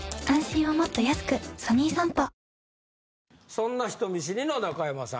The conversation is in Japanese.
そんな人見知りの中山さん